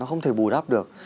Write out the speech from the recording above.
nó không thể bù đắp được